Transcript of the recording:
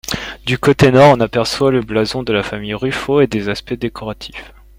Du côté nord, on aperçoit le blason de famille Ruffo et des aspects décoratifs.